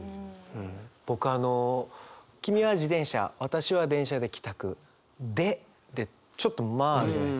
僕あの「君は自転車私は電車で帰宅」「で」でちょっと間あるじゃないですか。